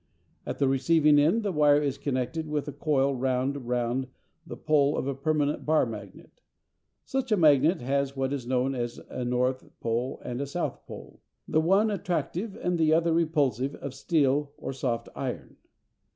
At the receiving end the wire is connected with a coil wound round the pole of a permanent bar magnet. Such a magnet has what is known as a north pole and a south pole, the one attractive and the other repulsive of steel or soft iron.